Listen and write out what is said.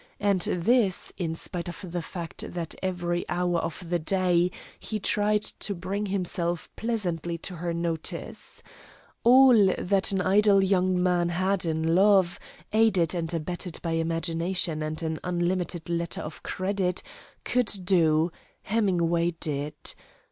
And this, in spite of the fact that every hour of the day he tried to bring himself pleasantly to her notice. All that an idle young man in love, aided and abetted by imagination and an unlimited letter of credit, could do, Hemingway did.